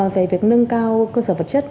về việc nâng cao cơ sở vật chất